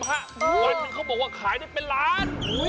เป็นใครบอกว่าเขาขายได้เป็นล้าน